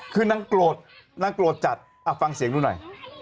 คือนางโกรธนางโกรธจัดฟังเสียงดูหน่อย